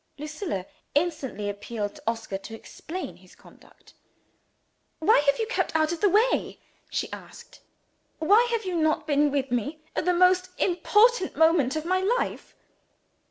Lucilla instantly appealed to Oscar to explain his conduct. "Why have you kept out of the way?" she asked. "Why have you not been with me, at the most important moment of my life?"